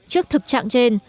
trước thực trạng trên